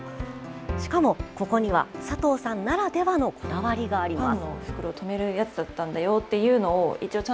しかも、ここには佐藤さんならではのこだわりがあります。